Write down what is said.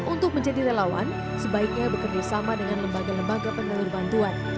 untuk menjadi relawan sebaiknya bekerja sama dengan lembaga lembaga penyeluruh bantuan